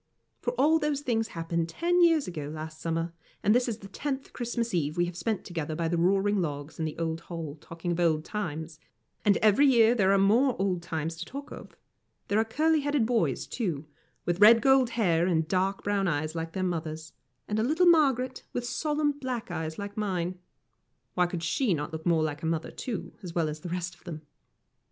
For all those things happened ten years ago last summer, and this is the tenth Christmas Eve we have spent together by the roaring logs in the old hall, talking of old times; and every year there are more old times to talk of. There are curly headed boys, too, with red gold hair and dark brown eyes like their mother's, and a little Margaret, with solemn black eyes like mine. Why could she not look like her mother, too, as well as the rest of them?